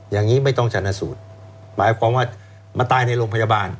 อย่างนี้ไม่ต้องชนะสูตรหมายความว่ามาตายในโรงพยาบาล